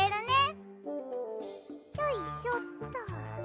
よいしょっと。